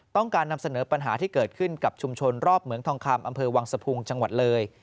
การนำเสนอปัญหาที่เกิดขึ้นกับชุมชนรอบเหมืองทองคำอำเภอวังสะพุงจังหวัดเลย